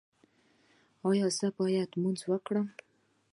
ایا زه باید لمونځ وکړم؟